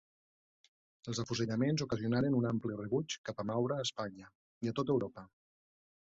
Els afusellaments ocasionaren un ampli rebuig cap a Maura a Espanya i a tot Europa.